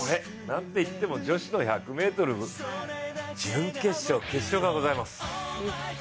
何といっても女子の１００ｍ準決勝、決勝がございます。